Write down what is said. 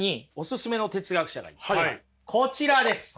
こちらです！